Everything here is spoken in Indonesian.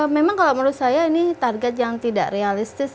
memang kalau menurut saya ini target yang tidak realistis